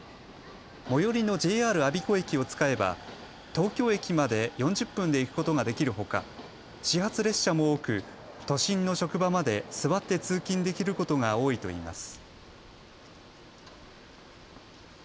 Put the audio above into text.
最寄りのＪＲ我孫子駅を使えば東京駅まで４０分で行くことができるほか、始発列車も多く都心の職場まで座って通勤できることが多いといいます。